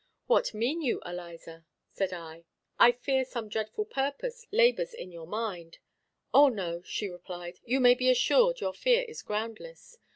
"What mean you, Eliza?" said I. "I fear some dreadful purpose labors in your mind." "O, no," she replied; "you may be assured your fear is groundless.